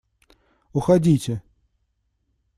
Уходите!..